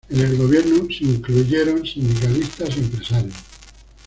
En el gobierno se incluyeron sindicalistas y empresarios.